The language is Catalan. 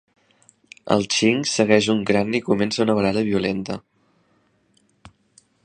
El Ching segueix un crani i comença una baralla violenta.